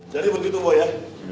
jadi begitu boy ya